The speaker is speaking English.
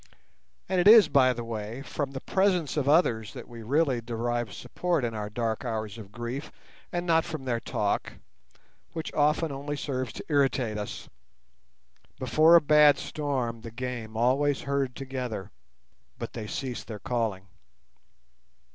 And it is, by the way, from the presence of others that we really derive support in our dark hours of grief, and not from their talk, which often only serves to irritate us. Before a bad storm the game always herd together, but they cease their calling.